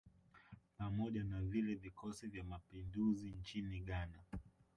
Pamoja na vile vikosi vya mapinduzi nchini Ghana